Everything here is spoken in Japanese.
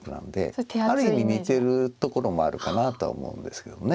ある意味似てるところもあるかなとは思うんですけども。